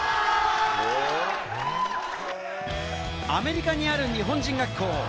アメリカにある日本人学校。